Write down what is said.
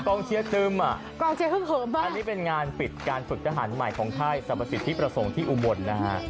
กองเชียร์เติ้มอันนี้เป็นงานปิดการฝึกทหารใหม่ของไทยสรรพสิทธิประสงค์ที่อุบลนะฮะ